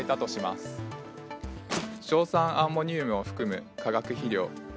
硝酸アンモニウムを含む化学肥料。